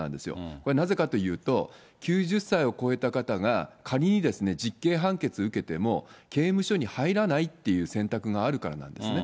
これ、なぜかというと、９０歳を超えた方が、仮にですね、実刑判決受けても、刑務所に入らないっていう選択があるからなんですね。